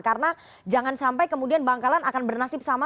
karena jangan sampai kemudian bangkalan akan bernasib sama